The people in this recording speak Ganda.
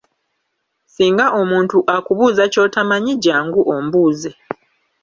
Singa omuntu akubuuza ky'otamanyi, jangu ombuuze.